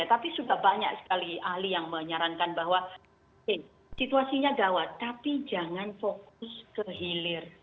tapi sudah banyak sekali ahli yang menyarankan bahwa situasinya gawat tapi jangan fokus ke hilir